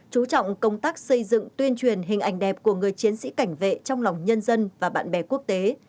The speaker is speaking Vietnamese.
chú trọng công tác xây dựng tuyên truyền hình ảnh đẹp của người chiến sĩ cảnh vệ trong lòng nhân dân và bạn bè quốc tế